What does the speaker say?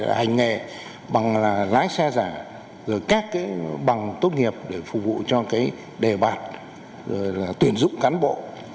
hành nghề bằng lái xe giả các bằng tốt nghiệp để phục vụ cho đề bạt tuyển dụng cán bộ